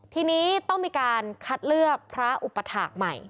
ทีนี้ต้องมีการคัดเลือกพระอุปถาคใหม่